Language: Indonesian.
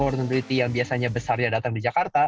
overtime ability yang biasanya besarnya datang di jakarta